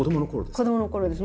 子どものころです。